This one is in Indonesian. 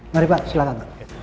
mari pak silahkan